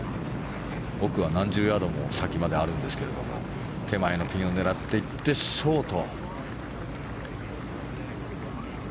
奥は何十ヤードも先まであるんですけれども手前のピンを狙っていってショート。